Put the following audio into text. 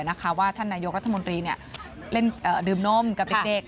นะคะว่าท่านนายกรัฐมนตรีเล่นดื่มนมกับเด็ก